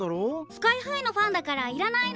スカイハイのファンだからいらないの。